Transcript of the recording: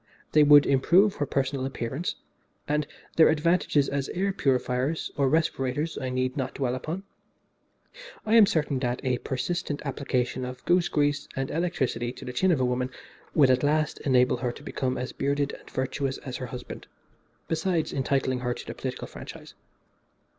They would improve her personal appearance, and their advantages as air purifiers or respirators I need not dwell upon. I am certain that a persistent application of goose grease and electricity to the chin of a woman would at last enable her to become as bearded and virtuous as her husband, besides entitling her to the political franchise.